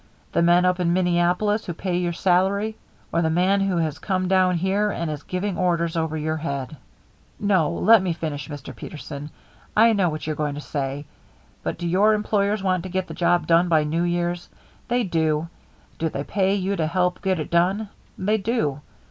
The men up in Minneapolis who pay your salary, or the man who has come down here and is giving orders over your head? " No, just let me finish, Mr. Peterson. I know what you're going to say. But do your employers want to get the job done by New Year's? They do. Do they pay you to help get it done? They do.